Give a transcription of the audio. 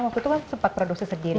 waktu itu kan sempat produksi sendiri